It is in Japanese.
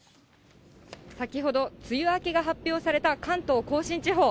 先ほど、梅雨明けが発表された関東甲信地方。